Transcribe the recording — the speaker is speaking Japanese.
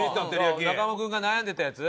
中間君が悩んでたやつ？